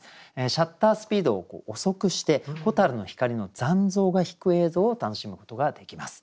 シャッタースピードを遅くして蛍の光の残像が引く映像を楽しむことができます。